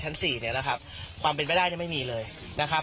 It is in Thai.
สี่เนี่ยนะครับความเป็นไม่ได้เนี่ยไม่มีเลยนะครับ